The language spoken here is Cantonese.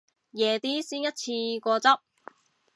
夜啲先一次過執